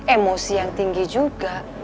emosi yang tinggi juga